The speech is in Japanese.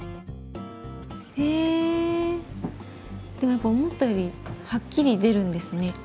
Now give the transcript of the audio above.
へでもやっぱ思ったよりはっきり出るんですね。